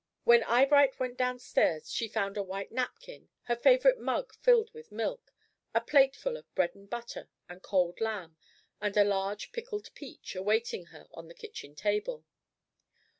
When Eyebright went downstairs, she found a white napkin, her favorite mug filled with milk, a plateful of bread and butter and cold lamb, and a large pickled peach, awaiting her on the kitchen table.